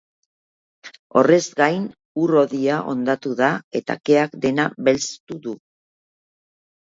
Horrez gain, ur-hodia hondatu da eta keak dena belztu du.